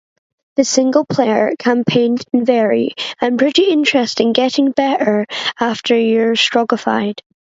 The single-player campaign is varied and pretty interesting, getting better after you're Stroggified.